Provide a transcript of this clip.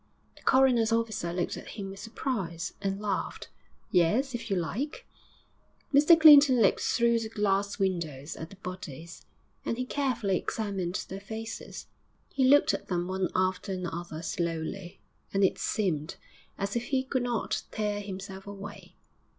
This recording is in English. The coroner's officer looked at him with surprise, and laughed. 'Yes, if you like.' Mr Clinton looked through the glass windows at the bodies, and he carefully examined their faces; he looked at them one after another slowly, and it seemed as if he could not tear himself away.